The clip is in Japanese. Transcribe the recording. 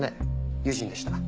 友人でした。